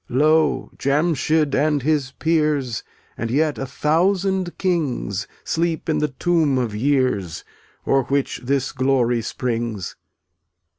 Lo! Jamschid and his peers, And yet a thousand kings, Sleep in the tomb of years O'er which this glory springs.